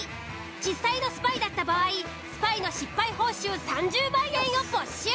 実際のスパイだった場合スパイの失敗報酬３０万円を没収。